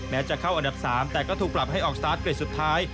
จะเข้าอันดับ๓แต่ก็ถูกปรับให้ออกสตาร์ทเกรดสุดท้าย